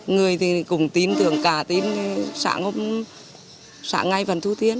người thì cùng tín tưởng cả tín xã ngọc xã ngay và thu thiên